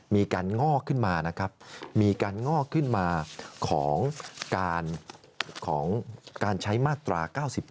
มีการงอกขึ้นมานะครับมีการงอกขึ้นมาของการของการใช้มาตรา๙๒